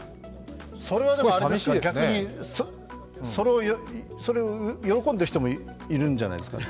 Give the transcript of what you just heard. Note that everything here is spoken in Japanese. それは逆に、それを喜んでいる人もいるんじゃないですか。